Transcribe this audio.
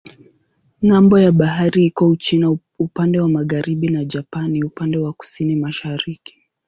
Ng'ambo ya bahari iko Uchina upande wa magharibi na Japani upande wa kusini-mashariki.